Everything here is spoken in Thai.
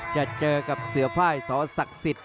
จะเจอกับเสือภายสอสักสิต